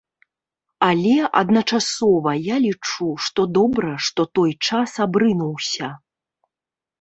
Але, адначасова, я лічу, што добра, што той час абрынуўся.